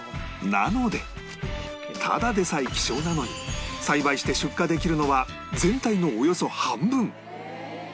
なのでただでさえ希少なのに栽培して出荷できるのは全体のおよそ半分